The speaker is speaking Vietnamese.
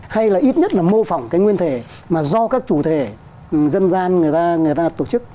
hay là ít nhất là mô phỏng cái nguyên thể mà do các chủ thể dân gian người ta tổ chức